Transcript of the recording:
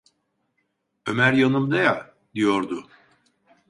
Ömer yanımda ya!" diyordu.